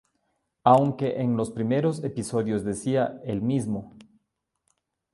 Aunque en los primeros episodios decía: ""¡El mismo!